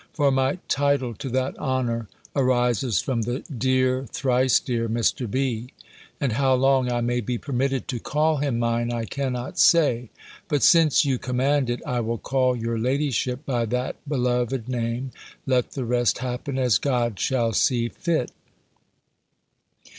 For my title to that honour arises from the dear, thrice dear Mr. B. And how long I may be permitted to call him mine, I cannot say. But since you command it, I will call your ladyship by that beloved name, let the rest happen as God shall see fit.